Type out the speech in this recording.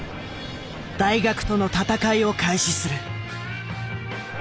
大学との闘いを開始する。